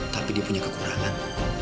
tapi dia punya kekurangan